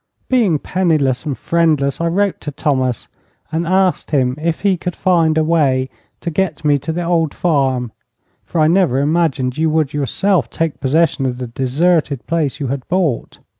Being penniless and friendless, I wrote to Thomas and asked him if he could find a way to get me to the old farm, for I never imagined you would yourself take possession of the deserted place you had bought.